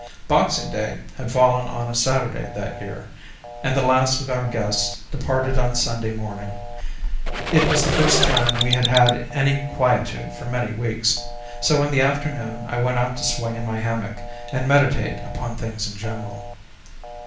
Boxing Day had fallen on a Saturday that year, and the last of our guests departed on Sunday morning. It was the first time we had had any quietude for many weeks, so in the afternoon I went out to swing in my hammock and meditate upon things in general.